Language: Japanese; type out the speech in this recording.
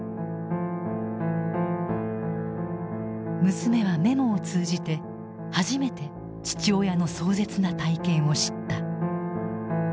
娘はメモを通じて初めて父親の壮絶な体験を知った。